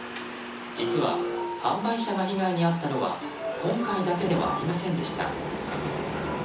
実は、販売者が被害に遭ったのは今回だけではありませんでした。